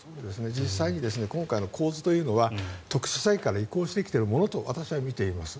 実際、今回の構図というのは特殊詐欺から移行してきているものと私は見ています。